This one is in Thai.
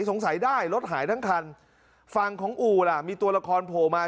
สงสัยได้รถหายทั้งคันฝั่งของอู่ล่ะมีตัวละครโผล่มา